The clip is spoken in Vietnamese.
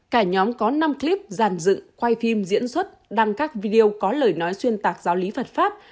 cả nhóm có năm clip giàn dựng quay phim diễn xuất đăng các video có lời nói xuyên tạc giáo lý phật pháp